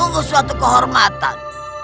sungguh suatu kehormatan